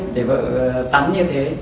để vợ tắm như thế